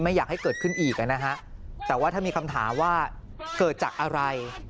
อยากให้เกิดขึ้นอีกนะฮะแต่ว่าถ้ามีคำถามว่าเกิดจากอะไร